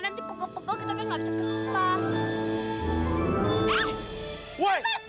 nanti pegel pegel kita kan ga bisa ke sista